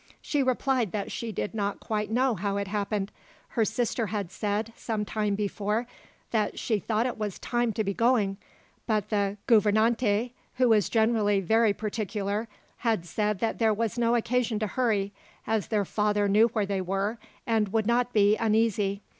She replied that she did not quite know how it happened. Her sister had said, some time before, that she thought it was time to be going, but the gouvernante who was generally very particular had said that there was no occasion to hurry, as their father knew where they were, and would not be uneasy.